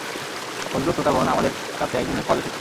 ভদ্র শ্রোতাগণ, আমাদের কাছে একজনের কল এসেছে।